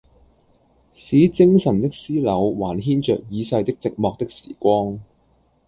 使精神的絲縷還牽著已逝的寂寞的時光，